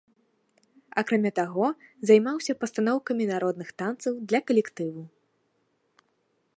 Акрамя таго, займаўся пастаноўкамі народных танцаў для калектыву.